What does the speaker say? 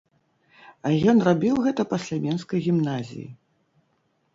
А ён рабіў гэта пасля менскай гімназіі!